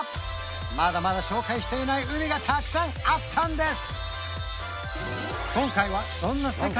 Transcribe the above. まだまだ紹介していない海がたくさんあったんです！